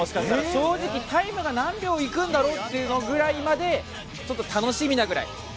正直、タイムが何秒いくんだろうってぐらいまで楽しみなぐらい。